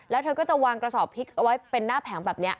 แล้วเธอก็จะวางกระสอบพริกเอาไว้เป็นหน้าแผงแบบนี้